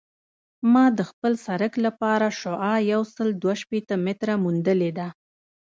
ما د خپل سرک لپاره شعاع یوسل دوه شپیته متره موندلې ده